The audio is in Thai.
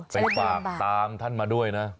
ไปฝากตามท่านมาด้วยนะ